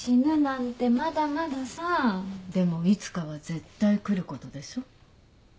でもいつかは絶対来ることでしょ？